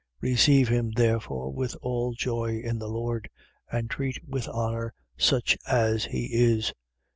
2:29. Receive him therefore with all joy in the Lord: and treat with honour such as he is.